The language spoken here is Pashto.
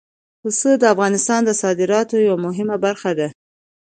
پسه د افغانستان د صادراتو یوه مهمه برخه ده.